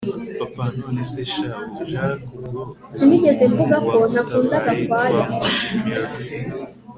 papa nonese sha jack, ubwo uwo muntu wagutabaye twamushimira dute!